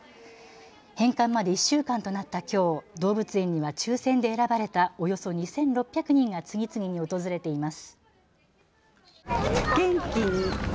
返還まで１週間となったきょう動物園には抽せんで選ばれたおよそ２６００人が次々に訪れています。